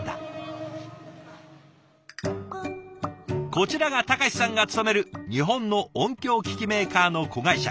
こちらが貴さんが勤める日本の音響機器メーカーの子会社。